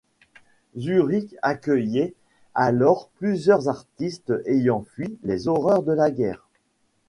Zurich accueillait alors plusieurs artistes ayant fui les horreurs de la guerre.